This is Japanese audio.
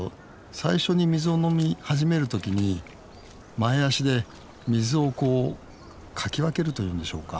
最初に水を飲み始める時に前足で水をこうかき分けるというんでしょうか。